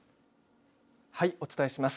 はい、お伝えします。